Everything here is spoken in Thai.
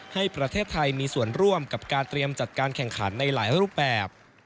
ให้ประเทศไทยมีส่วนร่วมกับการเตรียมจัดการแข่งขันในหลายรูปแบบ